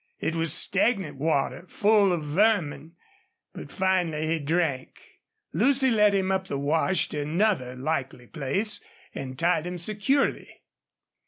It was stagnant water, full of vermin. But finally he drank. Lucy led him up the wash to another likely place, and tied him securely.